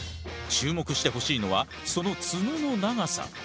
注目してほしいのはその角の長さ。